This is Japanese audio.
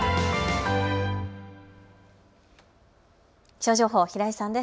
気象情報、平井さんです。